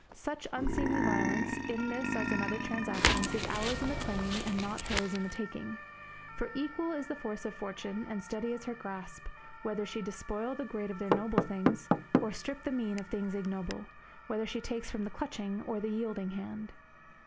Such unseemly violence, in this as in other transactions, is ours in the clinging and not hers in the taking. For equal is the force of Fortune, and steady is her grasp, whether she despoil the great of their noble things or strip the mean of things ignoble, whether she take from the clutching or the yielding hand.